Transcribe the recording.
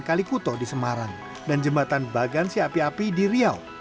kalikuto di semarang dan jembatan bagansi api api di riau